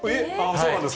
そうなんですか。